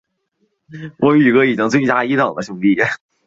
寻擢汉军梅勒额真。